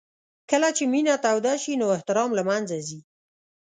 کله چې مینه توده شي نو احترام له منځه ځي.